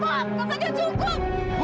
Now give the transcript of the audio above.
kak fadil cukup